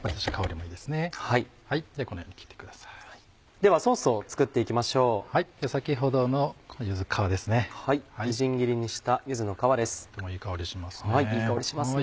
もういい香りしますね。